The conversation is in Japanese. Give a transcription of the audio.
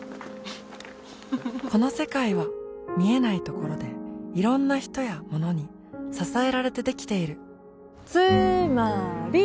この世界は見えないところでいろんな人やものに支えられてできているつーまーり！